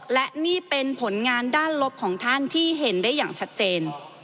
และนี่เป็นผลงานด้านลบของท่านที่เห็นได้อย่างชัดเจน